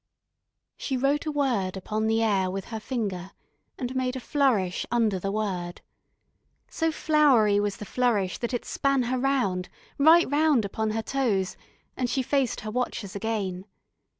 She wrote a word upon the air with her finger, and made a flourish under the word. So flowery was the flourish that it span her round, right round upon her toes, and she faced her watchers again.